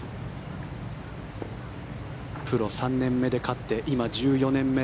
プロ３年目で勝って今１４年目。